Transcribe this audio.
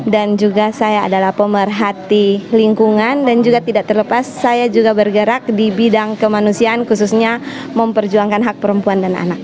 dan juga saya adalah pemerhati lingkungan dan juga tidak terlepas saya juga bergerak di bidang kemanusiaan khususnya memperjuangkan hak perempuan dan anak